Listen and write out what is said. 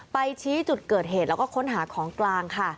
ไปชี้จุดเกิดเหตุแล้วก็ค้นหาของกลางค่ะ